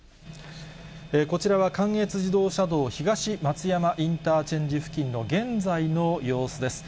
こちらは関越自動車道東松山インターチェンジ付近の現在の様子です。